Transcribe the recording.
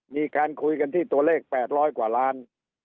มีการคุยกันที่ตัวเลข๘๐๐กว่าล้าน